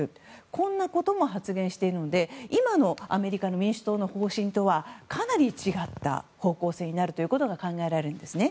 こんなことも発言しているので今のアメリカの民主党の方針とはかなり違った方向性になるということが考えられるんですね。